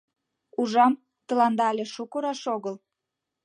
Ужам, тыланда але шуко раш огыл.